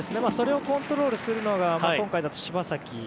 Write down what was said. それをコントロールするのが今回だと柴崎。